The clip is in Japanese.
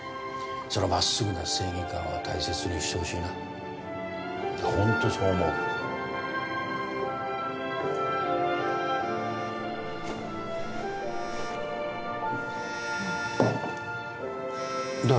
そのまっすぐな正義感は大切にしてほしいないやほんとそう思う誰？